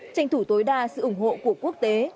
tranh thủ tối đa sự ủng hộ của quốc tế